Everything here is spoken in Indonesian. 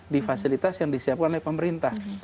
di fasilitas yang disiapkan oleh pemerintah